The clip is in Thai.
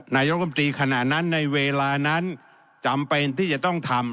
นายกรรมตรีขณะนั้นในเวลานั้นจำเป็นที่จะต้องทำ